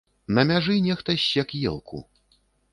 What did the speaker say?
На мяжы нехта ссек елку.